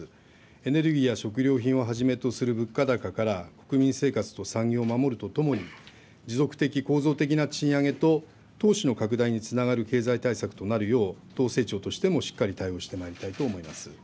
エネルギーや食料品をはじめとする物価高から国民生活と産業を守るとともに、持続的、構造的な賃上げと投資の拡大につながる経済対策となるよう党政調としてもしっかり対応してまいりたいと思います。